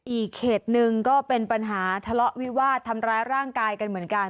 อีกเหตุหนึ่งก็เป็นปัญหาทะเลาะวิวาดทำร้ายร่างกายกันเหมือนกัน